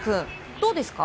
どうですか？